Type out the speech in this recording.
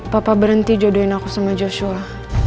papa berhenti jodohin aku sama joshua